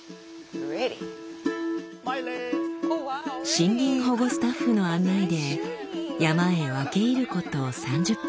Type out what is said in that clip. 森林保護スタッフの案内で山へ分け入ること３０分。